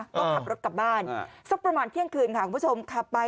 ก็ขับรถกลับบ้านสักประมาณเที่ยงคืนค่ะคุณผู้ชมขับไป